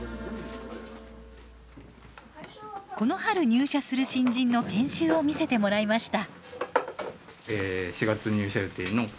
この春入社する新人の研修を見せてもらいました。